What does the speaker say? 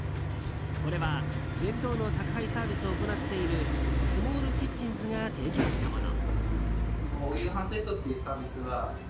これは、弁当の宅配サービスを行っているスモールキッチンズが提供したもの。